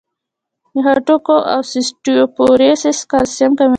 د هډوکو اوسټيوپوروسس کلسیم کموي.